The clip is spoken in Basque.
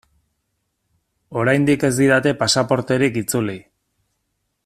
Oraindik ez didate pasaporterik itzuli.